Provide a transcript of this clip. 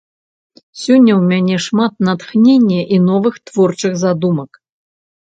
Сёння ў мяне шмат натхнення і новых творчых задумак.